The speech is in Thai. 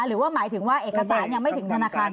หรือว่าหมายถึงว่าเอกสารยังไม่ถึงธนาคาร